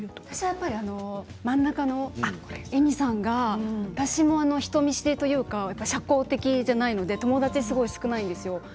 私は真ん中のえみさんが私も人見知りというか社交的じゃないので友達がすごい少ないんですよ